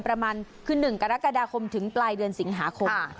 ประมาณคือ๑กรกฎาคมถึงปลายเดือนสิงหาคม